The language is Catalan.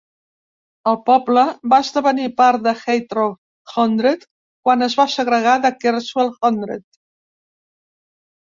El poble va esdevenir part de Haytor Hundred quan es va segregar de Kerswell Hundred.